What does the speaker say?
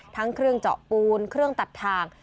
ทั้งเครื่องเจาะปูนเครื่องตัดทาง